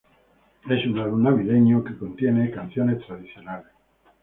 Es un álbum navideño que contiene canciones tradicionales.